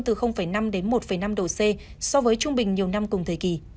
từ năm đến một năm độ c so với trung bình nhiều năm cùng thời kỳ